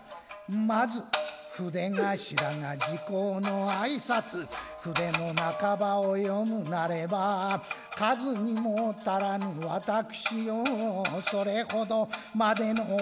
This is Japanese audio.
まず筆頭が時候の挨拶筆の半ばを読むなれば数にも足らぬ私をそれほどまでのお引き立て